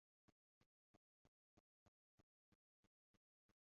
ntiyunamuzwa amaboko